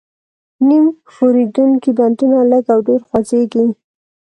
نیم ښورېدونکي بندونه لږ او ډېر خوځېږي.